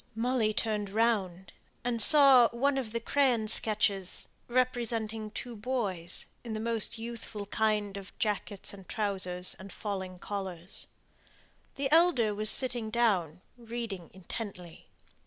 Molly turned round, and saw one of the crayon sketches representing two boys, in the most youthful kind of jackets and trousers, and falling collars. The elder was sitting down, reading intently.